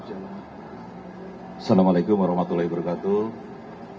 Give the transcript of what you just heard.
wassalamu alaikum warahmatullahi wabarakatuh